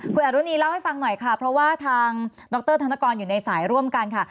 คุณอรุณีเล่าให้ฟังหน่อยค่ะเพราะว่าทางดรธนกรอยู่ในสายร่วมกันค่ะ